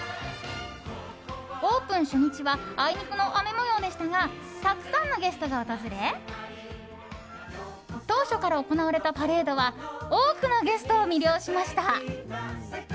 オープン初日はあいにくの雨模様でしたがたくさんのゲストが訪れ当初から行われたパレードは多くのゲストを魅了しました。